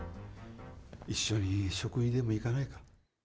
一緒に食事でも行かないか？